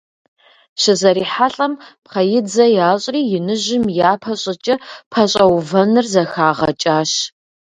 ЩызэрихьэлӀэм, пхъэидзэ ящӀри, иныжьым япэ щӀыкӀэ пэщӀэувэныр зэхагъэкӀащ.